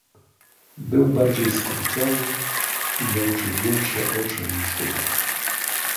"Był bardziej skurczony i miał czerwieńsze oczy, niż zwykle."